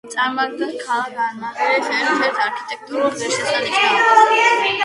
წარმოადგენს ქალაქ არმავირის ერთ-ერთ არქიტექტურულ ღირსშესანიშნაობას.